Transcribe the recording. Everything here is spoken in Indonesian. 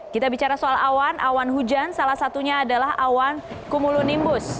kita bicara soal awan awan hujan salah satunya adalah awan cumulonimbus